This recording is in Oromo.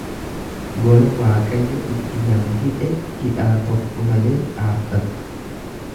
Gola waaqayyo itti nama hidhe, hidhaa tokko malee dhaabbatu.